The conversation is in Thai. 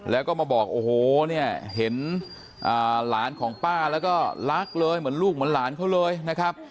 แล้วก็มาบอกโอ้โหเนี่ยเห็นหลานของป้าแล้วก็รักเลยเหมือนลูกเหมือนหลานเขาเลยนะครับ